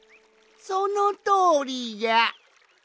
そのとおりじゃ！